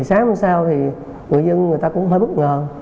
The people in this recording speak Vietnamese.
sáng hôm sau thì người dân người ta cũng hơi bất ngờ